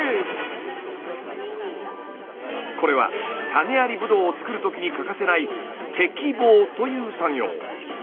これは種ありブドウを作る時に欠かせない摘房という作業。